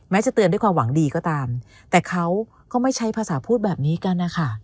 จะเตือนด้วยความหวังดีก็ตามแต่เขาก็ไม่ใช้ภาษาพูดแบบนี้กันนะคะ